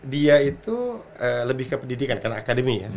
dia itu lebih ke pendidikan karena akademi ya